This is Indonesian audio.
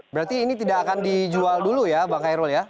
berarti ini tidak akan dijual dulu ya bang kairul ya